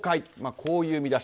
こういう見出し。